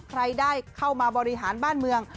ใครได้เข้ามาบริหารบ้านเมือง